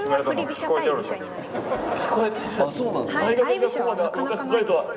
相居飛車はなかなかないです